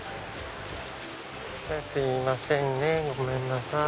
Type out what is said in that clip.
すいませんねごめんなさい。